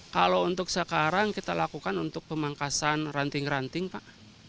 kalau untuk sekarang kita lakukan untuk pemangkasan ranting ranting pak